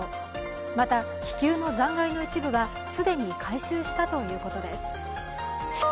また気球の残骸の一部は既に回収したということです。